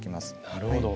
なるほど。